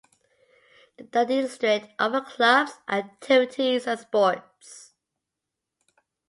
The district offers clubs, activities and sports.